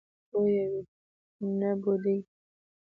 خبره باید بویه وي، نه بوډۍ.